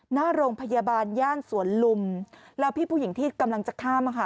หน้าโรงพยาบาลย่านสวนลุมแล้วพี่ผู้หญิงที่กำลังจะข้ามอ่ะค่ะ